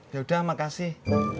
ya udah makasih